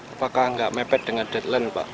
apakah nggak mepet dengan deadline pak